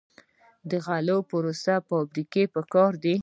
د غلو پروسس فابریکې پکار دي.